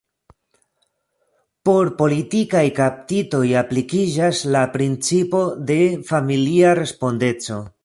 Por politikaj kaptitoj aplikiĝas la principo de familia respondeco.